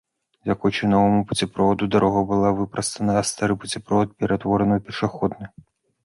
Дзякуючы новаму пуцеправоду дарога была выпрастана, а стары пуцеправод ператвораны ў пешаходны.